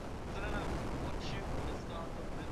طبي پوهنځۍ په تصادفي ډول نه ټاکل کیږي.